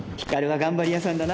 頑張り屋さんだね